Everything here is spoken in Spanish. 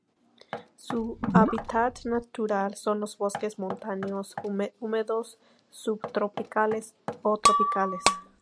Su hábitat natural son los bosques montanos húmedos subtropicales o tropicales